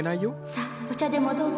さあお茶でもどうぞ。